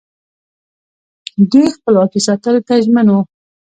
دوی خپلواکي ساتلو ته ژمن وو